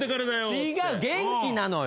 違う元気なのよ。